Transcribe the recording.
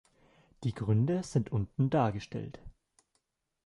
Die Gründe sind unten dargestellt.